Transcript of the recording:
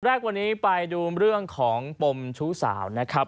แรกวันนี้ไปดูเรื่องของปมชู้สาวนะครับ